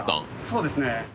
そうですね。